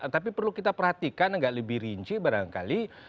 tapi perlu kita perhatikan agak lebih rinci barangkali